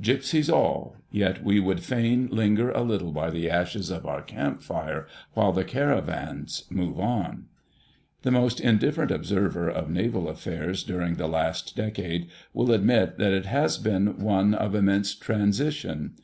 Gipsies all: yet we would fain linger a little by the ashes of our camp fire while the caravans move on. The most indifferent observer of naval affairs during the last decade will admit that it has been one of immense transition.